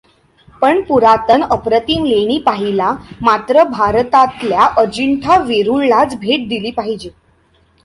पण पुरातन अप्रतिम लेणी पहायला मात्र भारतातल्या अजिंठा वेरूळलाच भेट दिली पाहिजे!